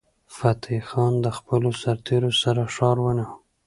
فتح خان د خپلو سرتیرو سره ښار ونیو.